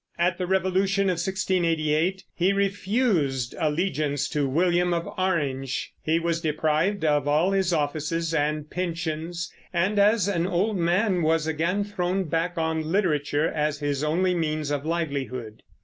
At the Revolution of 1688 he refused allegiance to William of Orange; he was deprived of all his offices and pensions, and as an old man was again thrown back on literature as his only means of livelihood.